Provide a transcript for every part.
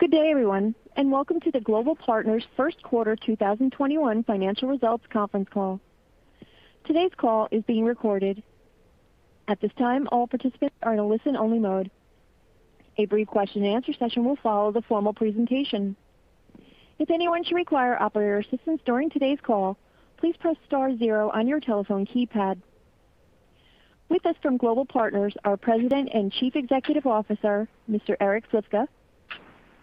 Good day, everyone, and welcome to the Global Partners first quarter 2021 financial results conference call. Today's call is being recorded. At this time, all participants are in a listen-only mode. A brief question and answer session will follow the formal presentation. If anyone should require operator assistance during today's call, please press star zero on your telephone keypad. With us from Global Partners are President and Chief Executive Officer, Mr. Eric Slifka,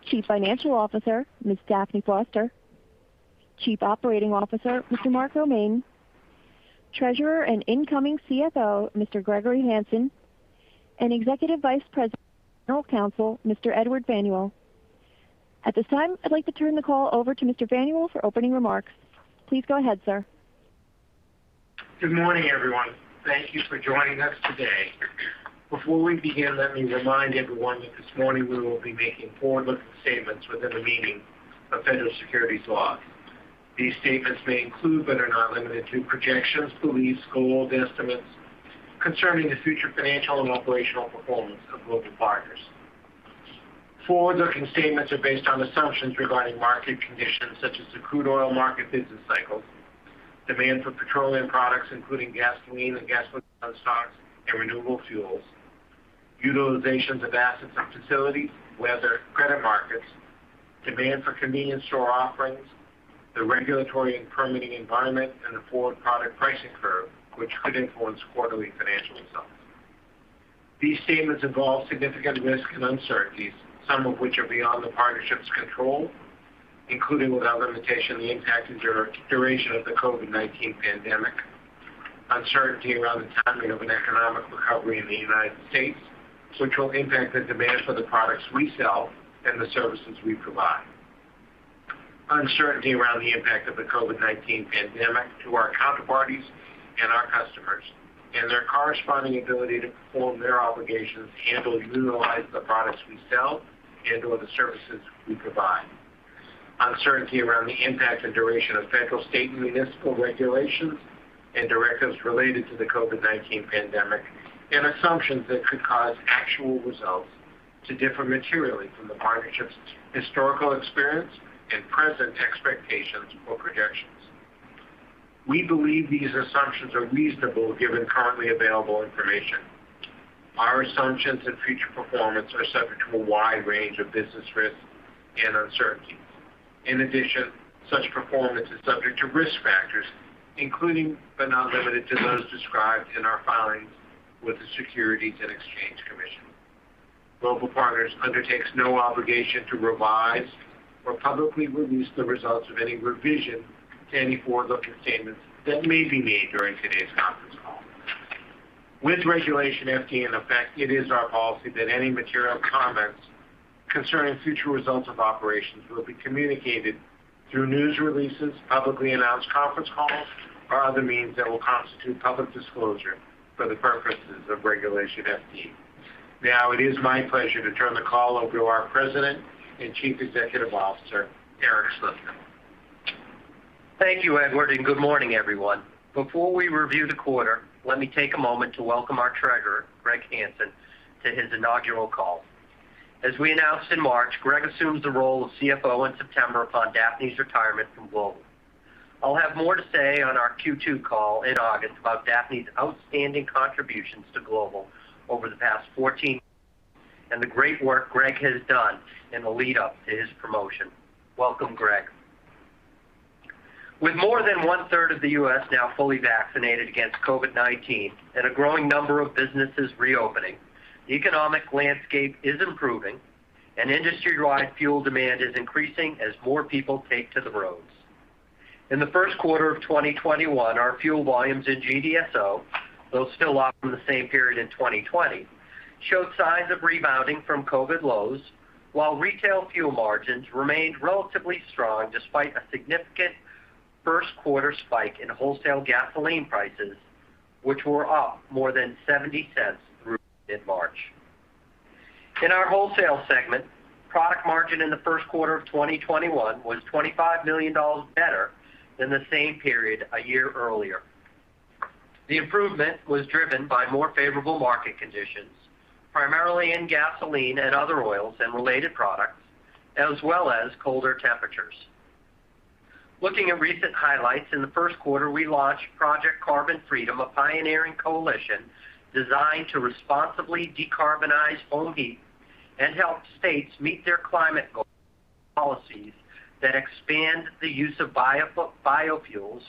Chief Financial Officer, Ms. Daphne Foster, Chief Operating Officer, Mr. Mark Romaine, Treasurer and incoming CFO, Mr. Gregory Hanson, and Executive Vice President and General Counsel, Mr. Edward Faneuil. At this time, I'd like to turn the call over to Mr. Faneuil for opening remarks. Please go ahead, sir. Good morning, everyone. Thank you for joining us today. Before we begin, let me remind everyone that this morning we will be making forward-looking statements within the meaning of federal securities laws. These statements may include, but are not limited to projections, beliefs, goals, estimates concerning the future financial and operational performance of Global Partners. Forward-looking statements are based on assumptions regarding market conditions such as the crude oil market business cycle, demand for petroleum products including gasoline and gasoline stocks and renewable fuels, utilizations of assets and facilities, weather, credit markets, demand for convenience store offerings, the regulatory and permitting environment, and the forward product pricing curve, which could influence quarterly financial results. These statements involve significant risks and uncertainties, some of which are beyond the partnership's control, including, without limitation, the impact and duration of the COVID-19 pandemic, uncertainty around the timing of an economic recovery in the U.S., which will impact the demand for the products we sell and the services we provide. Uncertainty around the impact of the COVID-19 pandemic to our counterparties and our customers, and their corresponding ability to perform their obligations to handle and utilize the products we sell and/or the services we provide. Uncertainty around the impact and duration of federal, state, and municipal regulations and directives related to the COVID-19 pandemic, and assumptions that could cause actual results to differ materially from the partnership's historical experience and present expectations or projections. We believe these assumptions are reasonable given currently available information. Our assumptions and future performance are subject to a wide range of business risks and uncertainties. In addition, such performance is subject to risk factors, including but not limited to those described in our filings with the Securities and Exchange Commission. Global Partners undertakes no obligation to revise or publicly release the results of any revision to any forward-looking statements that may be made during today's conference call. With Regulation FD in effect, it is our policy that any material comments concerning future results of operations will be communicated through news releases, publicly announced conference calls, or other means that will constitute public disclosure for the purposes of Regulation FD. Now it is my pleasure to turn the call over to our President and Chief Executive Officer, Eric Slifka. Thank you, Edward, and good morning, everyone. Before we review the quarter, let me take a moment to welcome our Treasurer, Greg Hanson, to his inaugural call. As we announced in March, Greg assumes the role of CFO in September upon Daphne's retirement from Global. I'll have more to say on our Q2 call in August about Daphne's outstanding contributions to Global over the past 14 and the great work Greg has done in the lead-up to his promotion. Welcome, Greg. With more than one-third of the U.S. now fully vaccinated against COVID-19 and a growing number of businesses reopening, the economic landscape is improving, and industry-wide fuel demand is increasing as more people take to the roads. In the first quarter of 2021, our fuel volumes in GDSO, though still off from the same period in 2020, showed signs of rebounding from COVID lows, while retail fuel margins remained relatively strong despite a significant first-quarter spike in wholesale gasoline prices, which were up more than $0.70 through mid-March. In our wholesale segment, product margin in the first quarter of 2021 was $25 million better than the same period a year earlier. The improvement was driven by more favorable market conditions, primarily in gasoline and other oils and related products, as well as colder temperatures. Looking at recent highlights, in the first quarter, we launched Project Carbon Freedom, a pioneering coalition designed to responsibly decarbonize home heat and help states meet their climate goals policies that expand the use of biofuels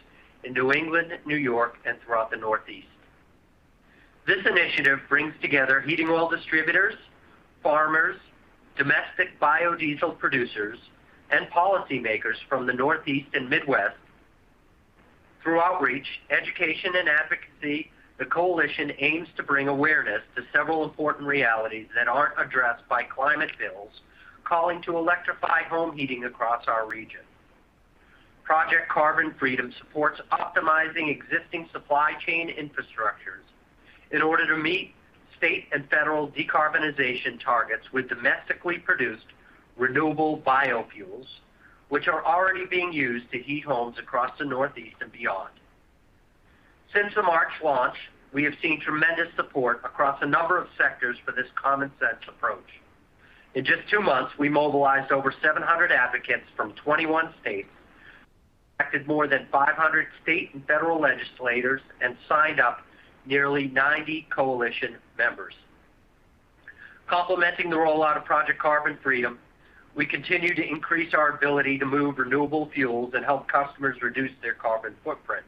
in New England, New York, and throughout the Northeast. This initiative brings together heating oil distributors, farmers, domestic biodiesel producers, and policymakers from the Northeast and Midwest. Through outreach, education, and advocacy, the coalition aims to bring awareness to several important realities that aren't addressed by climate bills calling to electrify home heating across our region. Project Carbon Freedom supports optimizing existing supply chain infrastructures in order to meet state and federal decarbonization targets with domestically produced renewable biofuels, which are already being used to heat homes across the Northeast and beyond. Since the March launch, we have seen tremendous support across a number of sectors for this common sense approach. In just two months, we mobilized over 700 advocates from 21 states, acted more than 500 state and federal legislators, and signed up nearly 90 coalition members. Complementing the rollout of Project Carbon Freedom, we continue to increase our ability to move renewable fuels and help customers reduce their carbon footprint.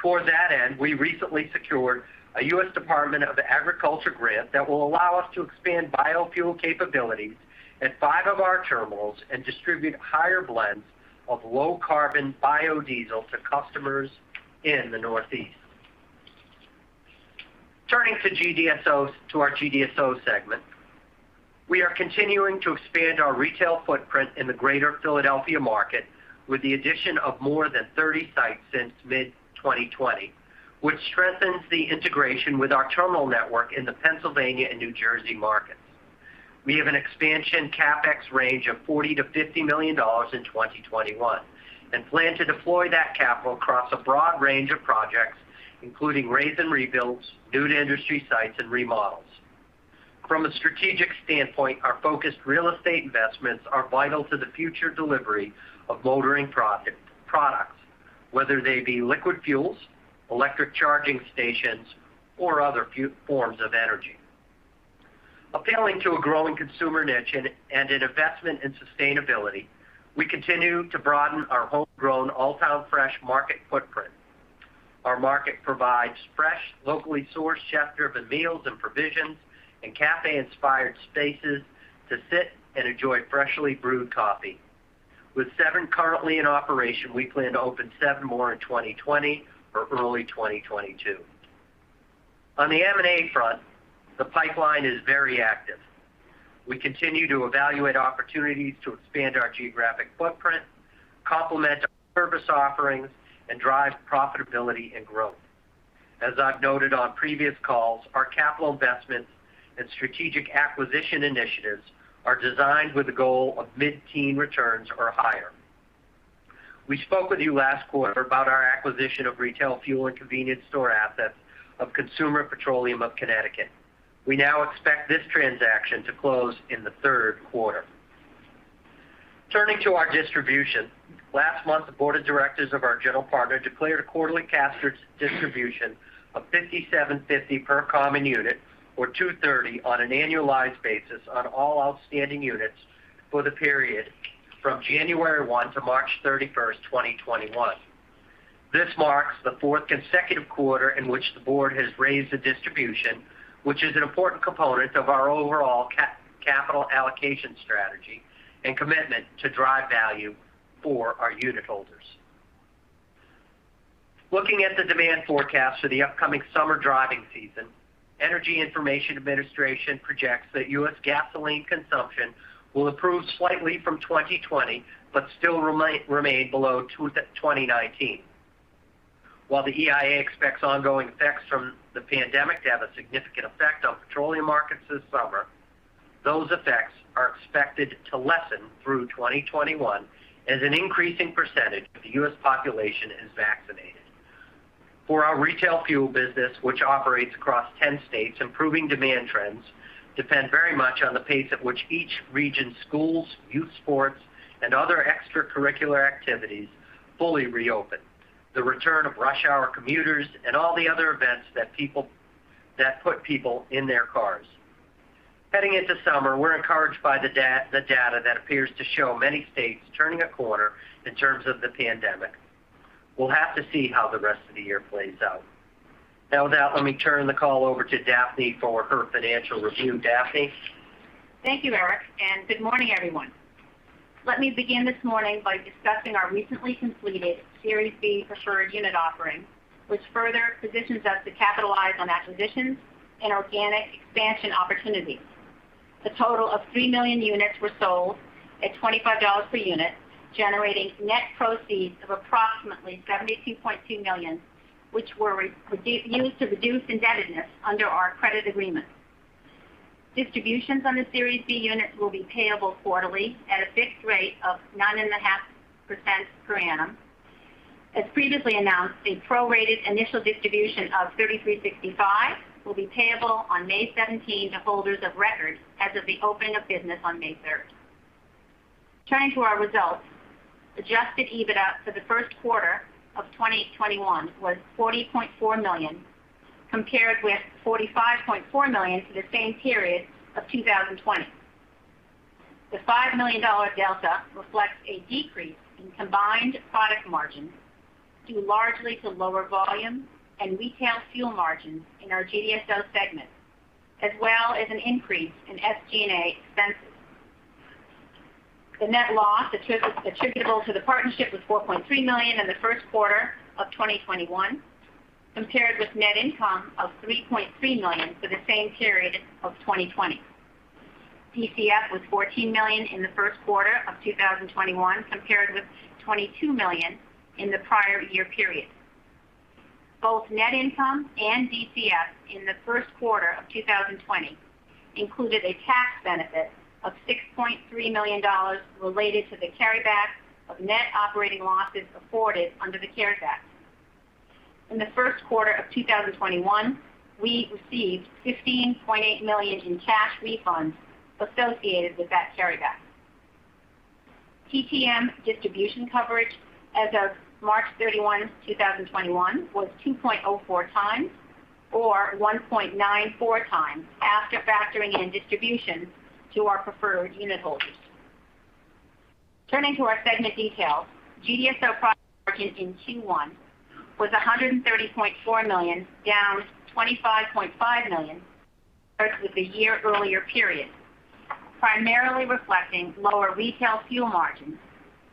Toward that end, we recently secured a U.S. Department of Agriculture grant that will allow us to expand biofuel capabilities at five of our terminals and distribute higher blends of low-carbon biodiesel to customers in the Northeast. Turning to our GDSO segment. We are continuing to expand our retail footprint in the Greater Philadelphia market with the addition of more than 30 sites since mid-2020, which strengthens the integration with our terminal network in the Pennsylvania and New Jersey markets. We have an expansion CapEx range of $40 million to $50 million in 2021, and plan to deploy that capital across a broad range of projects, including raze & rebuilds, new-to-industry sites, and remodels. From a strategic standpoint, our focused real estate investments are vital to the future delivery of motoring products, whether they be liquid fuels, electric charging stations, or other forms of energy. Appealing to a growing consumer niche and an investment in sustainability, we continue to broaden our homegrown Alltown Fresh Market footprint. Our market provides fresh, locally sourced chef-driven meals and provisions, and cafe-inspired spaces to sit and enjoy freshly brewed coffee. With seven currently in operation, we plan to open seven more in 2021 or early 2022. On the M&A front, the pipeline is very active. We continue to evaluate opportunities to expand our geographic footprint, complement our service offerings, and drive profitability and growth. As I've noted on previous calls, our capital investments and strategic acquisition initiatives are designed with the goal of mid-teen returns or higher. We spoke with you last quarter about our acquisition of retail fuel and convenience store assets of Consumers Petroleum of Connecticut. We now expect this transaction to close in the third quarter. Turning to our distribution. Last month, the board of directors of our general partner declared a quarterly cash distribution of $0.5750 per common unit, or $2.30 on an annualized basis on all outstanding units for the period from January 1 to March 31st, 2021. This marks the fourth consecutive quarter in which the board has raised the distribution, which is an important component of our overall capital allocation strategy and commitment to drive value for our unitholders. Looking at the demand forecast for the upcoming summer driving season, Energy Information Administration projects that U.S. gasoline consumption will improve slightly from 2020, but still remain below 2019. While the EIA expects ongoing effects from the pandemic to have a significant effect on petroleum markets this summer, those effects are expected to lessen through 2021 as an increasing percentage of the U.S. population is vaccinated. For our retail fuel business, which operates across 10 states, improving demand trends depend very much on the pace at which each region's schools, youth sports, and other extracurricular activities fully reopen, the return of rush hour commuters, and all the other events that put people in their cars. Heading into summer, we're encouraged by the data that appears to show many states turning a corner in terms of the pandemic. We'll have to see how the rest of the year plays out. With that, let me turn the call over to Daphne for her financial review. Daphne? Thank you, Eric, and good morning, everyone. Let me begin this morning by discussing our recently completed Series B preferred unit offering, which further positions us to capitalize on acquisitions and organic expansion opportunities. The total of 3 million units were sold at $25 per unit, generating net proceeds of approximately $72.2 million, which were used to reduce indebtedness under our credit agreement. Distributions on the Series B units will be payable quarterly at a fixed rate of 9.5% per annum. As previously announced, a prorated initial distribution of $0.3365 will be payable on May 17 to holders of record as of the opening of business on May 3rd. Turning to our results. Adjusted EBITDA for the first quarter of 2021 was $40.4 million, compared with $45.4 million for the same period of 2020. The $5 million delta reflects a decrease in combined product margins due largely to lower volume and retail fuel margins in our GDSO segment, as well as an increase in SG&A expenses. The net loss attributable to the partnership was $4.3 million in the first quarter of 2021, compared with net income of $3.3 million for the same period of 2020. DCF was $14 million in the first quarter of 2021, compared with $22 million in the prior year period. Both net income and DCF in the first quarter of 2020 included a tax benefit of $6.3 million related to the carryback of net operating losses afforded under the CARES Act. In the first quarter of 2021, we received $15.8 million in cash refunds associated with that carryback. PTM distribution coverage as of March 31, 2021, was 2.04 times or 1.94 times after factoring in distributions to our preferred unitholders. Turning to our segment details. GDSO product margin in Q1 was $130.4 million, down $25.5 million versus the year earlier period, primarily reflecting lower retail fuel margins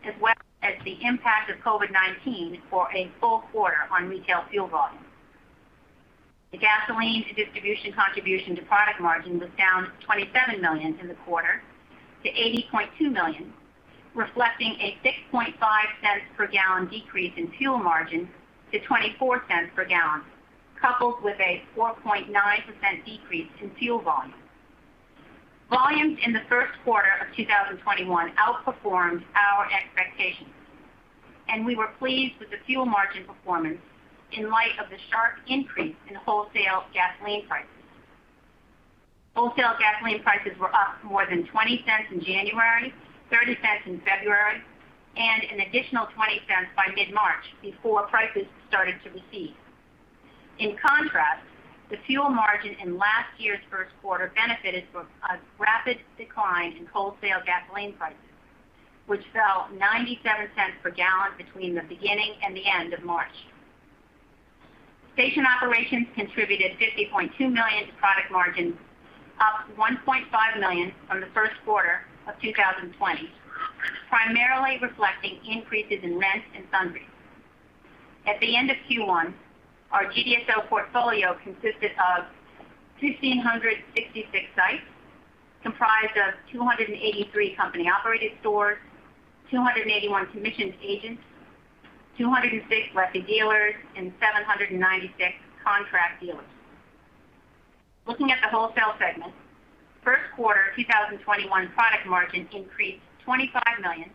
as well as the impact of COVID-19 for a full quarter on retail fuel volumes. The gasoline distribution contribution to product margin was down $27 million in the quarter to $80.2 million, reflecting a $0.065 per gallon decrease in fuel margin to $0.24 per gallon, coupled with a 4.9% decrease in fuel volumes. Volumes in the first quarter of 2021 outperformed our expectations. We were pleased with the fuel margin performance in light of the sharp increase in wholesale gasoline prices. Wholesale gasoline prices were up more than $0.20 in January, $0.30 in February, and an additional $0.20 by mid-March before prices started to recede. In contrast, the fuel margin in last year's first quarter benefited from a rapid decline in wholesale gasoline prices, which fell $0.97 per gallon between the beginning and the end of March. Station operations contributed $50.2 million to product margin, up $1.5 million from the first quarter of 2020, primarily reflecting increases in rent and sundries. At the end of Q1, our GDSO portfolio consisted of 1,666 sites, comprised of 283 company-operated stores, 281 commissioned agents, 206 lessee dealers, and 796 contract dealers. Looking at the wholesale segment, first quarter 2021 product margin increased $25 million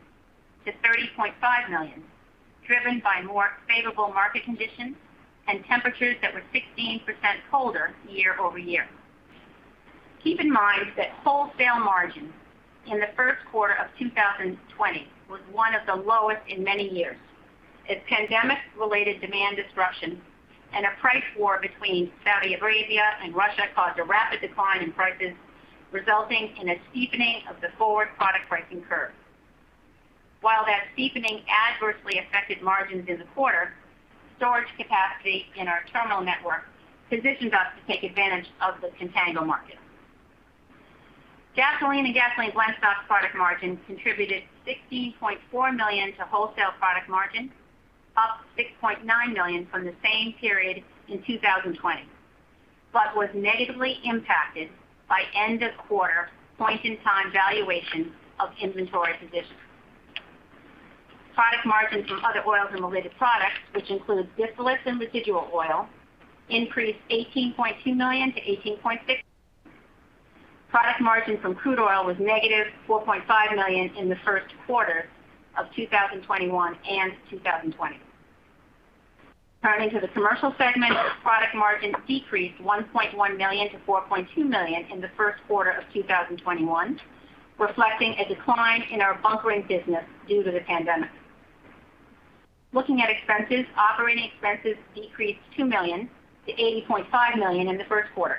to $30.5 million, driven by more favorable market conditions and temperatures that were 16% colder year-over-year. Keep in mind that wholesale margins in the first quarter of 2020 was one of the lowest in many years as pandemic-related demand disruptions and a price war between Saudi Arabia and Russia caused a rapid decline in prices, resulting in a steepening of the forward product pricing curve. While that steepening adversely affected margins in the quarter, storage capacity in our terminal network positioned us to take advantage of the contango market. Gasoline and gasoline blendstock product margin contributed $16.4 million to wholesale product margin, up $6.9 million from the same period in 2020, but was negatively impacted by end of quarter point in time valuation of inventory positions. Product margin from other oils and related products, which includes distillates and residual oil, increased $18.2 million to $18.6 million. Product margin from crude oil was negative $4.5 million in the first quarter of 2021 and 2020. Turning to the commercial segment, product margin decreased $1.1 million to $4.2 million in the first quarter of 2021, reflecting a decline in our bunkering business due to the pandemic. Looking at expenses, operating expenses decreased $2 million to $80.5 million in the first quarter.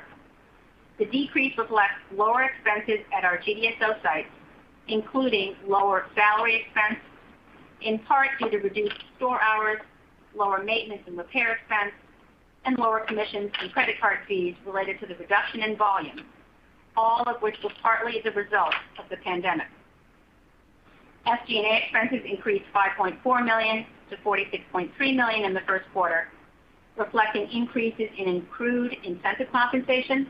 The decrease reflects lower expenses at our GDSO sites, including lower salary expense, in part due to reduced store hours, lower maintenance and repair expense, and lower commissions and credit card fees related to the reduction in volume. All of which was partly the result of the pandemic. SG&A expenses increased $5.4 million to $46.3 million in the first quarter, reflecting increases in accrued incentive compensation,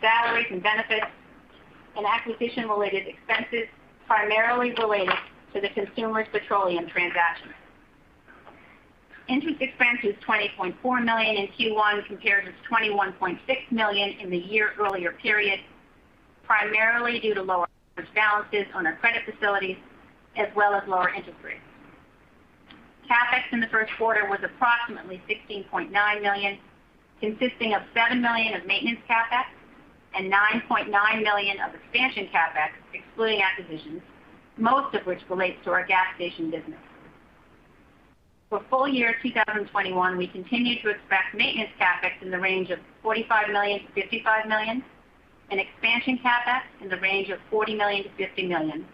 salaries and benefits, and acquisition-related expenses primarily related to the Consumers Petroleum transaction. Interest expense was $20.4 million in Q1 compared to $21.6 million in the year earlier period, primarily due to lower interest balances on our credit facilities as well as lower interest rates. CapEx in the first quarter was approximately $16.9 million, consisting of $7 million of maintenance CapEx and $9.9 million of expansion CapEx excluding acquisitions, most of which relates to our gas station business. For full year 2021, we continue to expect maintenance CapEx in the range of $45 million-$55 million and expansion CapEx in the range of $40 million-$50 million,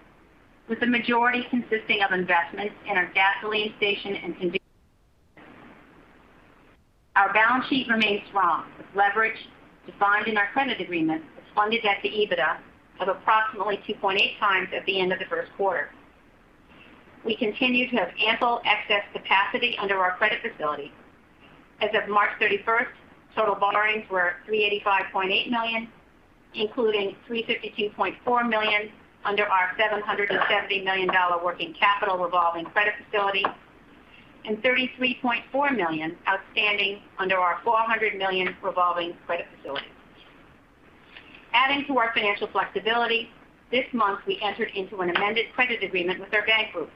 with the majority consisting of investments in our gasoline station and convenience business. Our balance sheet remains strong with leverage defined in our credit agreements as funded debt to EBITDA of approximately 2.8 times at the end of the first quarter. We continue to have ample excess capacity under our credit facility. As of March 31st, total borrowings were $385.8 million, including $352.4 million under our $770 million working capital revolving credit facility and $33.4 million outstanding under our $400 million revolving credit facility. Adding to our financial flexibility, this month we entered into an amended credit agreement with our bank group.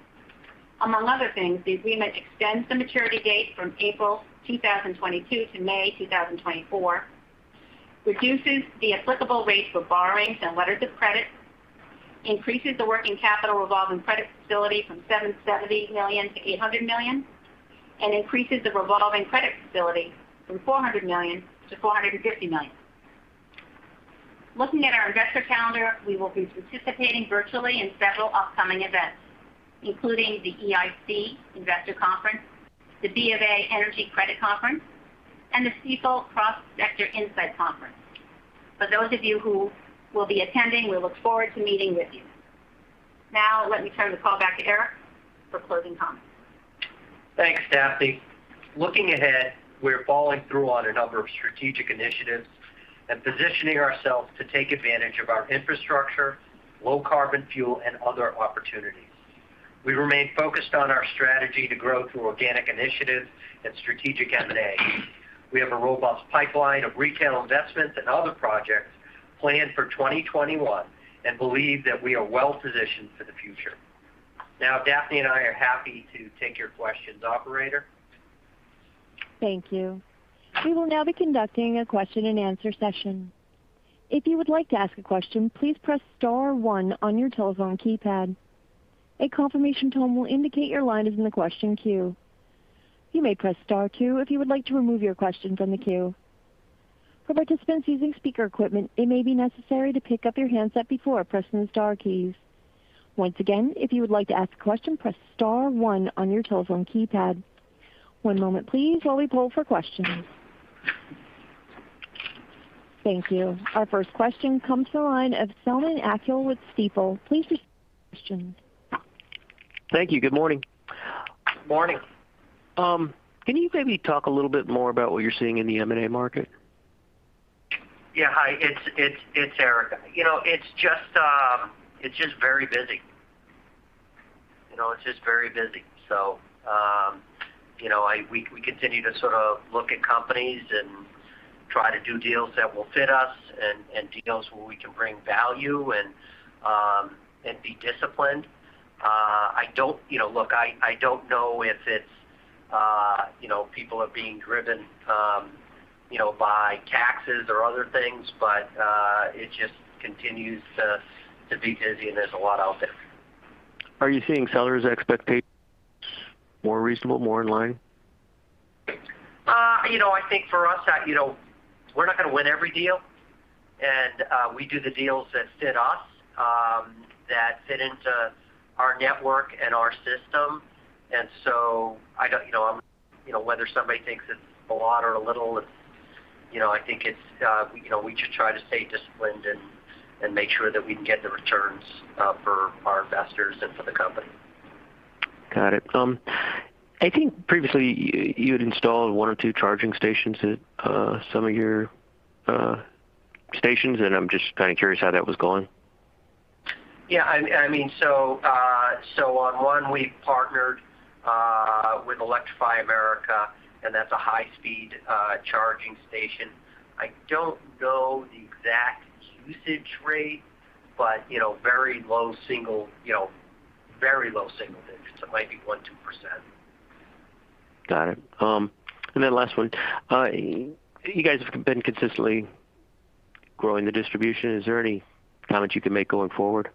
Among other things, the agreement extends the maturity date from April 2022 to May 2024, reduces the applicable rates for borrowings and letters of credit, increases the working capital revolving credit facility from $770 million-$800 million, and increases the revolving credit facility from $400 million-$450 million. Looking at our investor calendar, we will be participating virtually in several upcoming events, including the EIC Investor Conference, the B of A Energy Credit Conference, and the Stifel Cross Sector Insight Conference. For those of you who will be attending, we look forward to meeting with you. Now, let me turn the call back to Eric for closing comments. Thanks, Daphne. Looking ahead, we are following through on a number of strategic initiatives and positioning ourselves to take advantage of our infrastructure, low carbon fuel, and other opportunities. We remain focused on our strategy to grow through organic initiatives and strategic M&A. We have a robust pipeline of retail investments and other projects planned for 2021 and believe that we are well-positioned for the future. Now, Daphne and I are happy to take your questions, operator. Thank you. We will now be conducting a question and answer session. If you would like to ask a question, please press star one on your telephone keypad. A confirmation tone will indicate your line is in the question queue. You may press star two if you would like to remove your question from the queue. For participants using speaker equipment, it may be necessary to pick up your handset before pressing the star keys. Once again, if you would like to ask a question, press star one on your telephone keypad. One moment please while we poll for questions. Thank you. Our first question comes to the line of Selman Akyol with Stifel. Please proceed with your question. Thank you. Good morning. Morning. Can you maybe talk a little bit more about what you're seeing in the M&A market? Yeah. Hi, it's Eric. It's just very busy. We continue to look at companies and try to do deals that will fit us and deals where we can bring value and be disciplined. Look, I don't know if it's people are being driven by taxes or other things. It just continues to be busy, and there's a lot out there. Are you seeing sellers' expectations more reasonable, more in line? I think for us, we're not going to win every deal, and we do the deals that fit us, that fit into our network and our system. Whether somebody thinks it's a lot or a little, I think we just try to stay disciplined and make sure that we can get the returns for our investors and for the company. Got it. I think previously you had installed one or two charging stations at some of your stations, and I'm just curious how that was going. Yeah. On one, we partnered with Electrify America, and that's a high-speed charging station. I don't know the exact usage rate, but very low single digits. It might be 1%, 2%. Got it. Last one. You guys have been consistently growing the distribution. Is there any comment you can make going forward?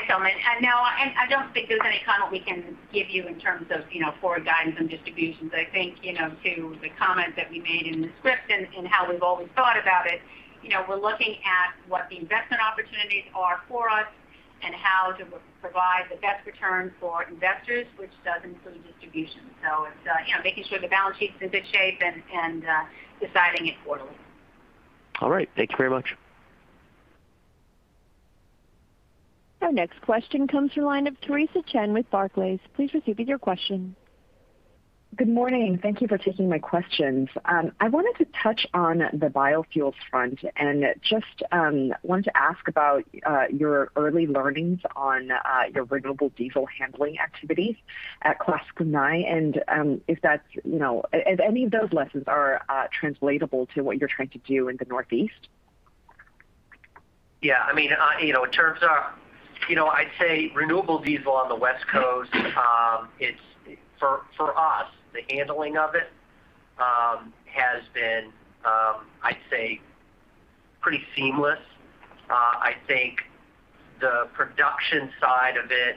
Hi, Selman. No, I don't think there's any comment we can give you in terms of forward guidance on distributions. I think to the comment that we made in the script and how we've always thought about it, we're looking at what the investment opportunities are for us and how to provide the best return for investors, which does include distribution. It's making sure the balance sheet's in good shape and deciding it quarterly. All right. Thank you very much. Our next question comes from the line of Theresa Chen with Barclays. Please proceed with your question. Good morning. Thank you for taking my questions. I wanted to touch on the biofuels front and just wanted to ask about your early learnings on your renewable diesel handling activities at Clatskanie. If any of those lessons are translatable to what you're trying to do in the Northeast? Yeah. In terms of, I'd say renewable diesel on the West Coast, for us, the handling of it has been, I'd say, pretty seamless. I think the production side of it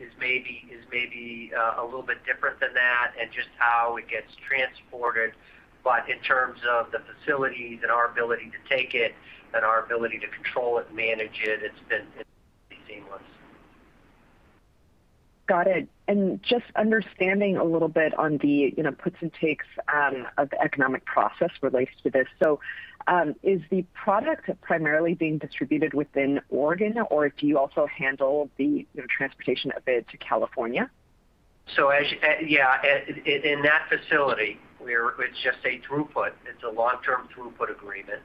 is maybe a little bit different than that and just how it gets transported. In terms of the facilities and our ability to take it and our ability to control it and manage it's been pretty seamless. Got it. Just understanding a little bit on the puts and takes of the economic process relates to this. Is the product primarily being distributed within Oregon, or do you also handle the transportation of it to California? yeah, in that facility, it's just a throughput. It's a long-term throughput agreement.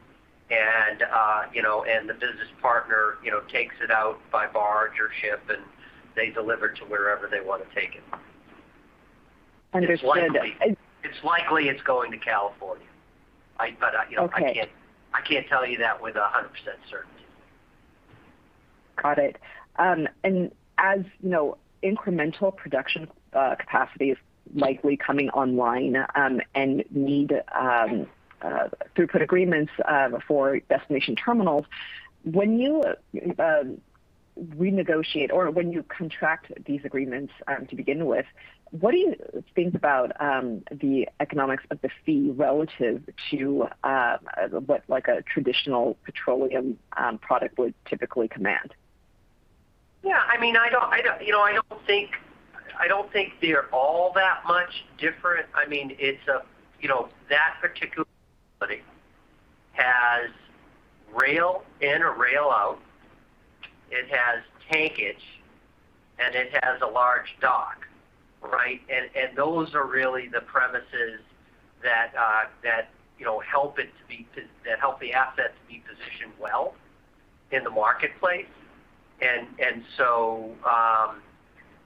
The business partner takes it out by barge or ship, and they deliver it to wherever they want to take it. Understood. It's likely it's going to California. Okay. I can't tell you that with 100% certainty. Got it. As incremental production capacity is likely coming online and need throughput agreements for destination terminals, when you renegotiate or when you contract these agreements to begin with, what do you think about the economics of the fee relative to what a traditional petroleum product would typically command? Yeah. I don't think they're all that much different. That particular facility has rail in and rail out. It has tankage, and it has a large dock. Right? Those are really the premises that help the assets be positioned well in the marketplace.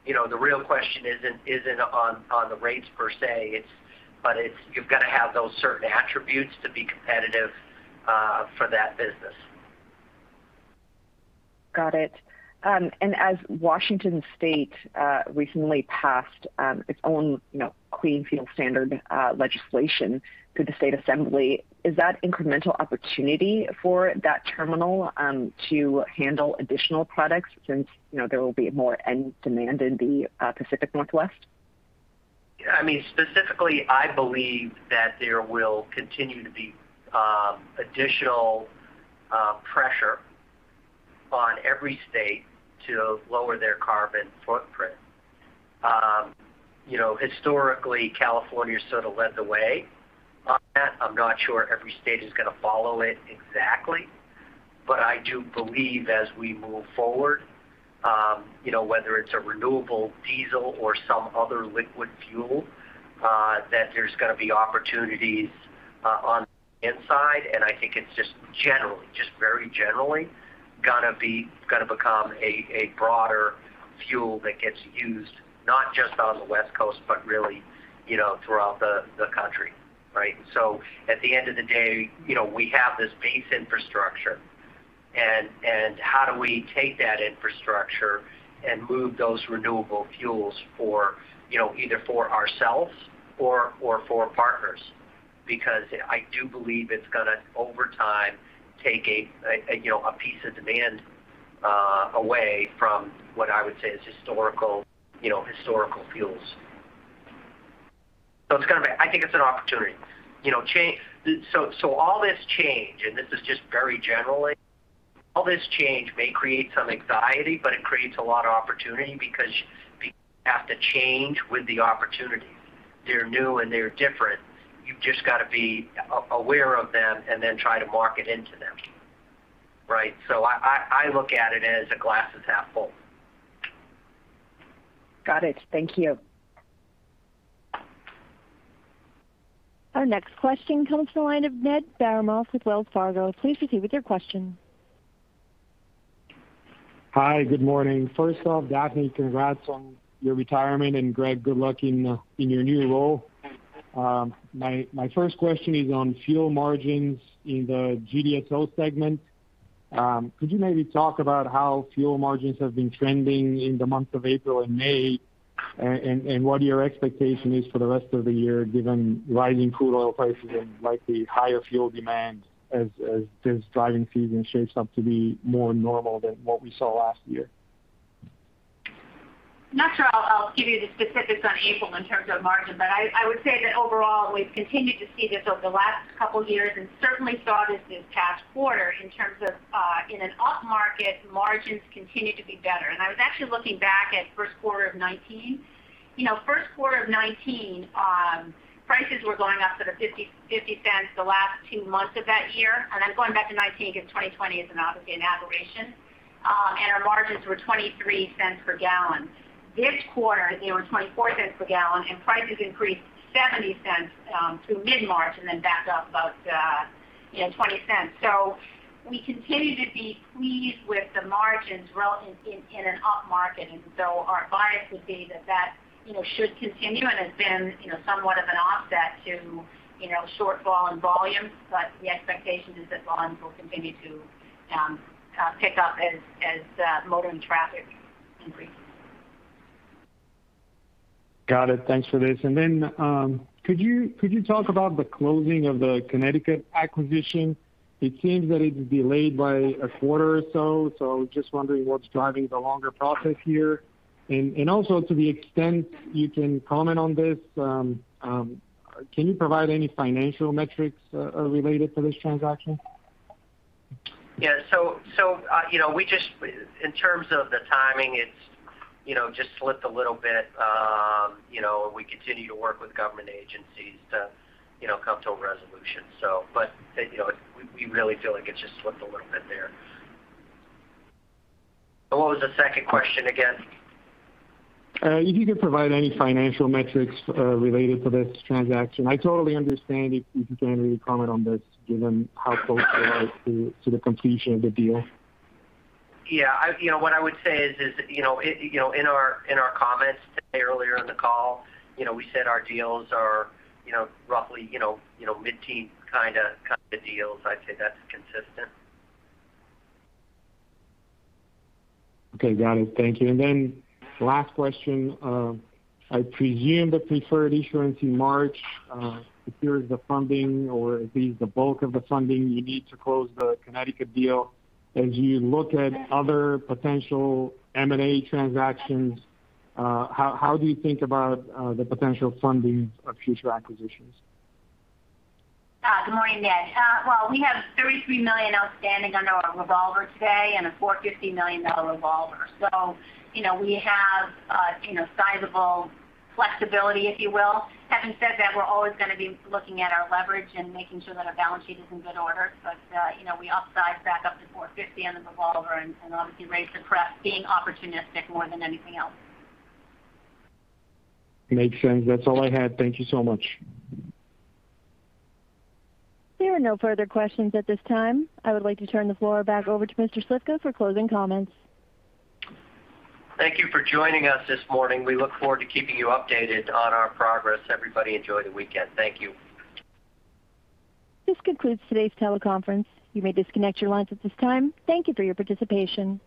The real question isn't on the rates per se, but you've got to have those certain attributes to be competitive for that business. Got it. As Washington State recently passed its own Clean Fuel Standard legislation through the state assembly, is that incremental opportunity for that terminal to handle additional products since there will be more end demand in the Pacific Northwest? Yeah. Specifically, I believe that there will continue to be additional pressure on every state to lower their carbon footprint. Historically, California sort of led the way on that. I'm not sure every state is going to follow it exactly. I do believe as we move forward, whether it's a renewable diesel or some other liquid fuel, that there's going to be opportunities on the inside. I think it's just generally, just very generally, going to become a broader fuel that gets used not just on the West Coast, but really throughout the country. Right? At the end of the day, we have this base infrastructure and how do we take that infrastructure and move those renewable fuels either for ourselves or for partners? Because I do believe it's going to, over time, take a piece of demand away from what I would say is historical fuels. I think it's an opportunity. All this change, and this is just very generally, all this change may create some anxiety, but it creates a lot of opportunity because people have to change with the opportunities. They're new and they're different. You've just got to be aware of them and then try to market into them. Right? I look at it as the glass is half full. Got it. Thank you. Our next question comes from the line of Ned Baramov with Wells Fargo. Please proceed with your question. Hi. Good morning. First off, Daphne, congrats on your retirement, and Greg, good luck in your new role. My first question is on fuel margins in the GDSO segment. Could you maybe talk about how fuel margins have been trending in the months of April and May, and what your expectation is for the rest of the year, given rising crude oil prices and likely higher fuel demand as this driving season shapes up to be more normal than what we saw last year? Not sure I'll give you the specifics on April in terms of margin, but I would say that overall, we've continued to see this over the last couple years and certainly saw this past quarter in terms of in an upmarket, margins continue to be better. I was actually looking back at first quarter of 2019. First quarter of 2019, prices were going up to the $0.50 the last two months of that year. I'm going back to 2019 because 2020 is obviously an aberration. Our margins were $0.23 per gallon. This quarter, they were $0.24 per gallon, and prices increased $0.70 through mid-March and then backed up about $0.20. We continue to be pleased with the margins relevant in an upmarket, and so our bias would be that should continue and has been somewhat of an offset to shortfall in volume. The expectation is that volumes will continue to pick up as motoring traffic increases. Got it. Thanks for this. Then could you talk about the closing of the Connecticut acquisition? It seems that it is delayed by a quarter or so. Just wondering what's driving the longer process here. Also, to the extent you can comment on this, can you provide any financial metrics related to this transaction? Yeah. In terms of the timing, it's just slipped a little bit. We continue to work with government agencies to come to a resolution. We really feel like it's just slipped a little bit there. What was the second question again? If you could provide any financial metrics related to this transaction. I totally understand if you can't really comment on this given how close we are to the completion of the deal. Yeah. What I would say is in our comments today earlier in the call, we said our deals are roughly mid-teen kind of deals. I'd say that's consistent. Okay. Got it. Thank you. Then last question. I presume the preferred issuance in March secures the funding or at least the bulk of the funding you need to close the Connecticut deal. As you look at other potential M&A transactions, how do you think about the potential funding of future acquisitions? Good morning, Ned. Well, we have $33 million outstanding under our revolver today and a $450 million revolver. We have sizable flexibility, if you will. Having said that, we're always going to be looking at our leverage and making sure that our balance sheet is in good order. We upsized back up to 450 on the revolver and obviously raised the pref, being opportunistic more than anything else. Makes sense. That's all I had. Thank you so much. There are no further questions at this time. I would like to turn the floor back over to Mr. Slifka for closing comments. Thank you for joining us this morning. We look forward to keeping you updated on our progress. Everybody enjoy the weekend. Thank you. This concludes today's teleconference. You may disconnect your lines at this time. Thank you for your participation.